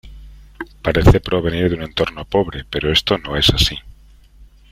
Parece provenir de un entorno pobre, pero esto no es así.